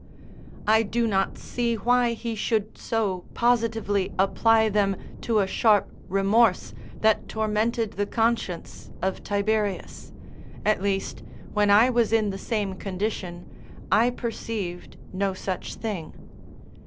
I do not see why he should so positively apply them to a sharp remorse that tormented the conscience of Tiberius; at least, when I was in the same condition, I perceived no such thing.